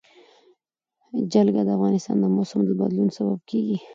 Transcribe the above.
جلګه د افغانستان د موسم د بدلون سبب کېږي.